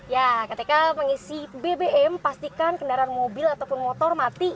ya ketika mengisi bbm pastikan kendaraan mobil ataupun motor mati